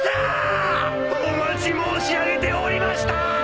お待ち申し上げておりました！